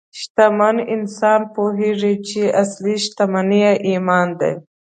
شتمن انسان پوهېږي چې اصلي شتمني ایمان دی.